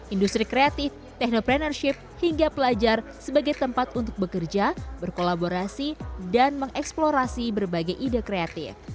industri kreatif teknoprenership hingga pelajar sebagai tempat untuk bekerja berkolaborasi dan mengeksplorasi berbagai ide kreatif